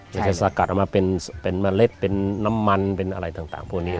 อยากจะสกัดออกมาเป็นเมล็ดเป็นน้ำมันเป็นอะไรต่างพวกนี้